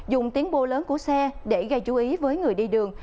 dùng tiến bộ lớn của xe để gây chú ý với người đi đường